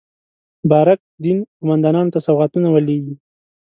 بارک دین قوماندانانو ته سوغاتونه ولېږي.